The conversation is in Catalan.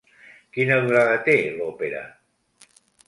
Quina durada té l'òpera?